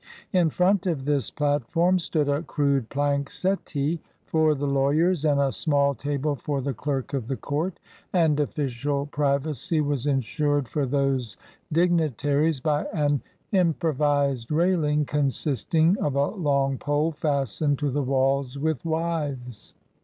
In front of this platform stood a crude plank settee for the lawyers and a small table for the clerk of the court, and official pri vacy was insured for those dignitaries by an im provised railing consisting of a long pole fas tened to the walls with withes.